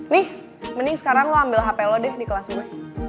nih mending sekarang lo ambil hp lo deh di kelas gue